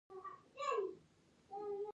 پښتو د افغانستان د خلګو ژبه ده